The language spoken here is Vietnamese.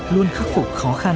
luôn khắc phục khó khăn